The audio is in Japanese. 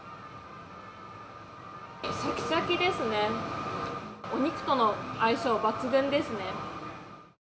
シャキシャキですね、お肉との相性抜群ですね。